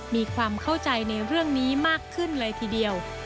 มีความเข้าใจในเรื่องนี้มากขึ้นเลยทีเดียว